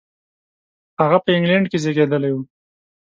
هغه په انګلېنډ کې زېږېدلی و.